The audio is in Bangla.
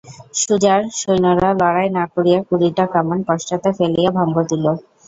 সুজার সৈন্যেরা লড়াই না করিয়া কুড়িটা কামান পশ্চাতে ফেলিয়া ভঙ্গ দিল।